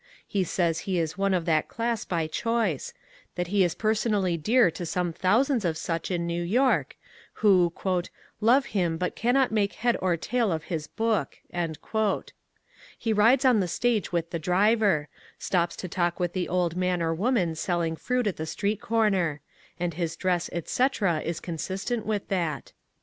He says he is one of that class by choice ; that he is personally dear to some thousands of such in New York, who ^^ love him but cannot make head or tail of his book." Hie rides on the stage with the driver. Stops to talk with the old man or woman selling fruit at the street corner. And his dress, etc., is consistent with that.